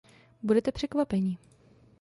Budete překvapeni.